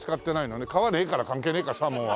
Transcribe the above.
川ねえから関係ねえかサーモンは。